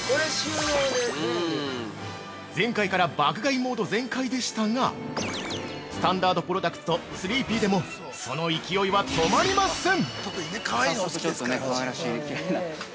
前回から爆買いモード全開でしたがスタンダードプロダクツとスリーピーでもその勢いは止まりません！